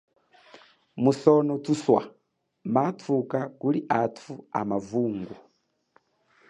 Musono thuswa mathuka kuli athu amavungo.